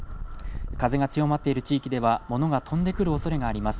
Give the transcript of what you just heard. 風が強まっている地域では物が飛んでくるおそれがあります。